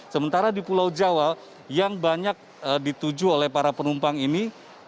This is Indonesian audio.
sementara di pulau jawa yang banyak dituju oleh para penumpang ini